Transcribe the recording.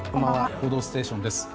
「報道ステーション」です。